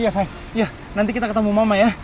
iya sayang iya nanti kita ketemu mama ya